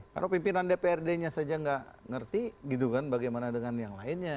karena pimpinan dprd nya saja nggak ngerti gitu kan bagaimana dengan yang lainnya